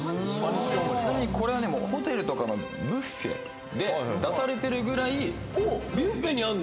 ・おちなみにこれはねもうホテルとかのビュッフェで出されてるぐらいビュッフェにあんの？